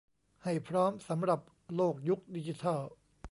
ให้พร้อมสำหรับโลกยุคดิจิทัล